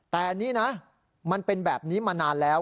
แต่นี่นะมันเป็นแบบนี้มานานแล้ว